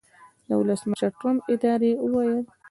د ولسمشرټرمپ ادارې وویل